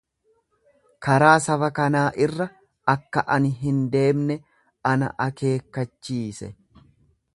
Karaa saba kanaa irra akka ani hin deemne ana akeekkachiise.